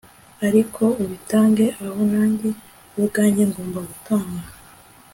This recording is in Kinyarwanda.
Ariko ubitange aho nanjye ubwanjye ngomba gutanga